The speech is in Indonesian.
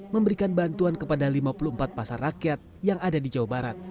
memberikan bantuan kepada lima puluh empat pasar rakyat yang ada di jawa barat